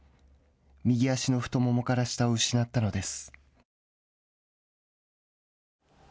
右足の太ももから下を失ったのです。